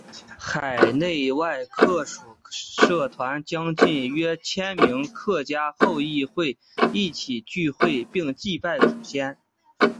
海内外客属社团将近约千名客家后裔会一起聚会并祭拜祖先。